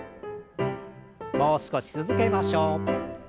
もう少し続けましょう。